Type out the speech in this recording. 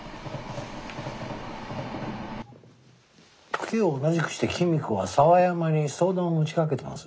時を同じくして公子は沢山に相談をもちかけてます。